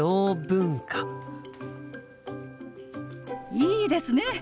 いいですね！